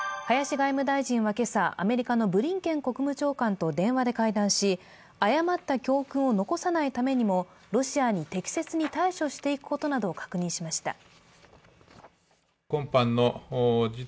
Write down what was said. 林外務大臣は今朝、アメリカのブリンケン国務長官と電話で会談し、誤った教訓を残さないためにもロシアに適切に対処していくことなどを確認しました。